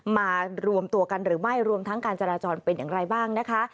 มารวมตัวกันหรือไม่รวมทั้งการจราจรเป็นอย่างไรบ้างนะคะ